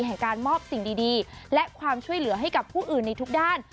แห่งการมอบสิ่งดีและความช่วยเหลือให้กับผู้อื่นในทุกด้าน